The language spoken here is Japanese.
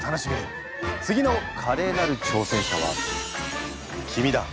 次のカレーなる挑戦者は君だ！